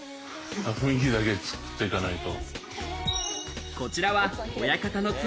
雰囲気だけつくっていかないと。